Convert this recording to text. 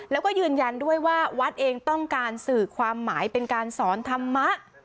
แล้วก็ยืนยันด้วยว่าวัดเองต้องการสื่อความหมายเป็นการสอนธรรมะ